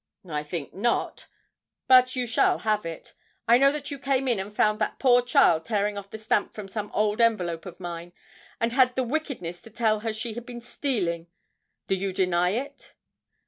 'I think not, but you shall have it. I know that you came in and found that poor child tearing off the stamp from some old envelope of mine, and had the wickedness to tell her she had been stealing. Do you deny it?'